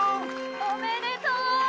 ・おめでとう！